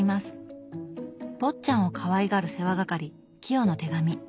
坊っちゃんをかわいがる世話係清の手紙。